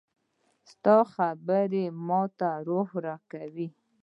• ستا خبرې مې روح ته سکون راکوي.